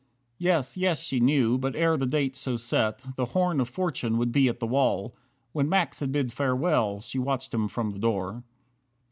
Yes, yes, she knew, but ere the date so set, The "Horn of Fortune" would be at the wall. When Max had bid farewell, she watched him from the door.